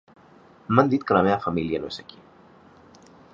M'han dit que la meva família no és aquí.